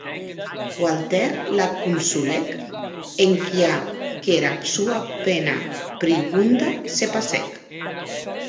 Walter la consolèc enquia qu’era sua pena prigonda se passèc.